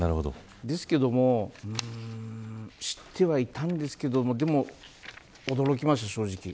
ですけども知ってはいたんですけども驚きました、正直。